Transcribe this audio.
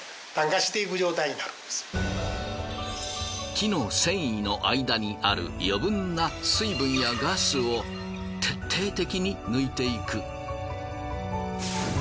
木の繊維の間にある余分な水分やガスを徹底的に抜いていく。